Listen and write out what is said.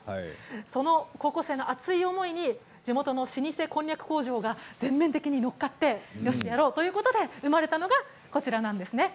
その高校生が熱い思いに地元の老舗こんにゃく工場が全面的に乗っかってよしやろうということで生まれたのが、こちらなんです。